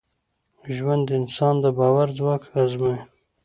ژوند د انسان د باور ځواک ازمېيي.